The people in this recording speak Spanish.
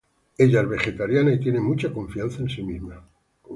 Ella es vegetariana y tiene mucha confianza en sí misma.